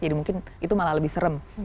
jadi mungkin itu malah lebih serem